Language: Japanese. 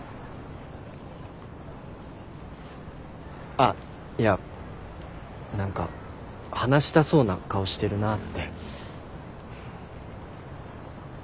あっいや何か話したそうな顔してるなって。